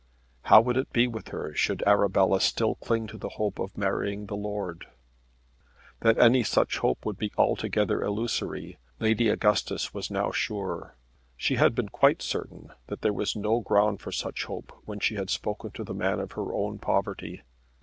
How would it be with her should Arabella still cling to the hope of marrying the lord? That any such hope would be altogether illusory Lady Augustus was now sure. She had been quite certain that there was no ground for such hope when she had spoken to the man of her own poverty.